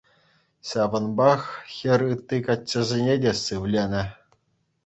Ҫавӑнпах хӗр ытти каччӑсене те сивленӗ.